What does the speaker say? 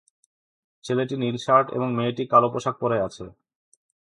ছেলেটি নীল শার্ট এবং মেয়েটি কালো পোশাক পরে আছে।